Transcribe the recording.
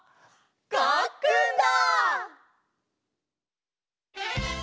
かっくんだ！